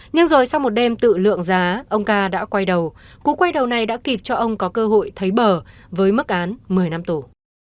nhưng rồi sau một đêm tự lượng giá ông ca đã quay đầu cú quay đầu này đã kịp cho ông có cơ hội thấy bờ với mức án một mươi năm tù